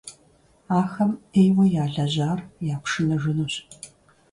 Ахэм Ӏейуэ ялэжьар япшыныжынущ.